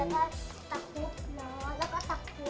แล้วก็ตะครบล้อแล้วก็ตะครบ